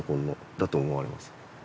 だと思われます。